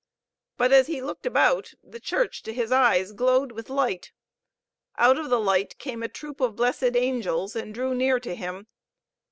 But as he looked about, the church to his eyes glowed with light. Out of the light came a troop of blessed angels and drew near to him.